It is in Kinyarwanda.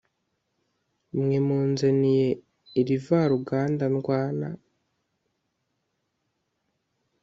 mwe munzaniye irivaruganda Ndwana